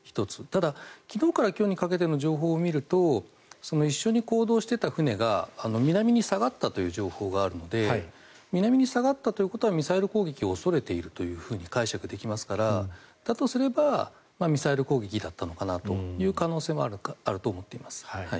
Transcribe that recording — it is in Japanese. ただ、昨日から今日にかけての情報を見ると一緒に行動していた船が南に下がったという情報があるので南に下がったということはミサイル攻撃を恐れていると解釈できますからだとすればミサイル攻撃だったのかなという可能性もあると思っています。